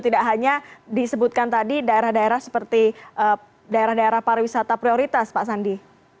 tidak hanya disebutkan tadi daerah daerah seperti daerah daerah pariwisata prioritas pak sandi